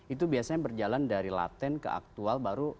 itu biasanya berjalan dari laten ke aktual baru